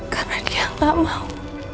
karena dia gak mau